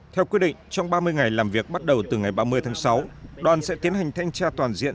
theo quyết định trong ba mươi ngày làm việc bắt đầu từ ngày ba mươi tháng sáu đoàn sẽ tiến hành thanh tra toàn diện